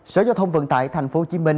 sở giao thông vận tại tp hcm